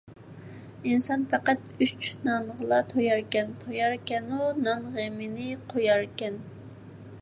ئىنسان پەقەت ئۈچ نانغىلا توياركەن، توياركەنۇ نان غېمىنى قوياركەن ...